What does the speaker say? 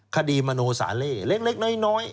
มโนสาเล่เล็กน้อย